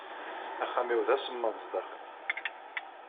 Axxam-inu d asemmaḍ sdaxel.